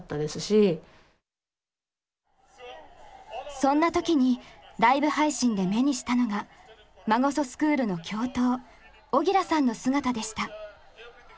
そんな時にライブ配信で目にしたのがマゴソスクールの教頭オギラさんの姿でした。